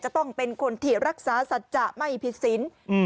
จะต้องเป็นคนที่รักษาสัจจะไม่ผิดสิน